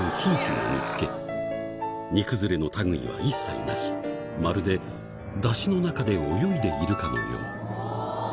煮崩れの類いは一切なしまるでダシの中で泳いでいるかのよういただきます。